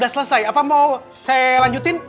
experts sudah memberi konstruksi p sherrick